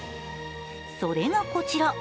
それがこちら。